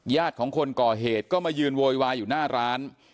ของคนก่อเหตุก็มายืนโวยวายอยู่หน้าร้าน